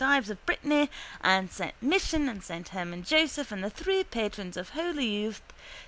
Ives of Brittany and S. Michan and S. Herman Joseph and the three patrons of holy youth S.